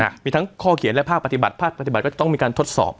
มีทั้งข้อเขียนและภาคปฏิบัติภาคปฏิบัติก็จะต้องมีการทดสอบ